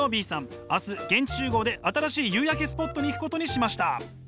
明日現地集合で新しい夕焼けスポットに行くことにしました。